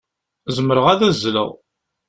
Zemreɣ ad azzleɣ.